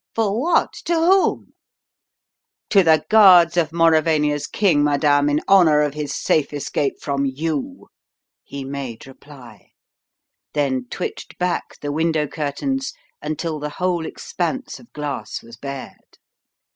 For what? To whom?" "To the guards of Mauravania's king, madame, in honour of his safe escape from you!" he made reply; then twitched back the window curtains until the whole expanse of glass was bared.